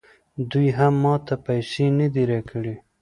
دوی هم ماته پیسې نه دي راکړي